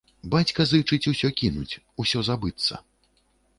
Бацька зычыць усё кінуць, усё забыцца.